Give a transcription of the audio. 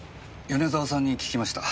米沢さんに聞きました。